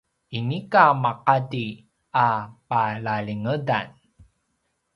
inika maqati a palalingedan